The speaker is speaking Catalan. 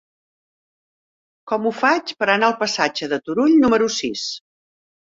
Com ho faig per anar al passatge de Turull número sis?